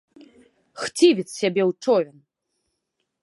Хцівец сябе ў човен!